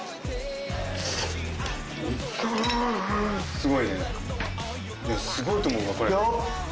すごいよねすごいと思うわ。